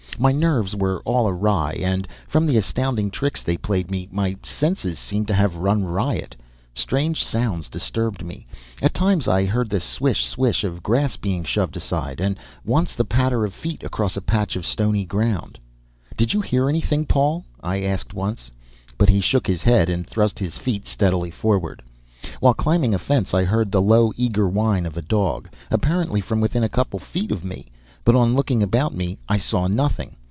My nerves were all awry, and, from the astounding tricks they played me, my senses seemed to have run riot. Strange sounds disturbed me. At times I heard the swish swish of grass being shoved aside, and once the patter of feet across a patch of stony ground. "Did you hear anything, Paul?" I asked once. But he shook his head, and thrust his feet steadily forward. While climbing a fence, I heard the low, eager whine of a dog, apparently from within a couple of feet of me; but on looking about me I saw nothing.